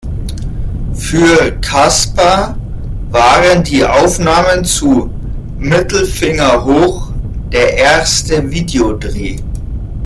Für Casper waren die Aufnahmen zu "Mittelfinger Hoch" der erste Videodreh.